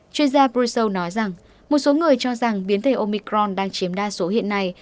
chuyên gia proso nói rằng một số người cho rằng biến thể omicron đang chiếm đa số hiện nay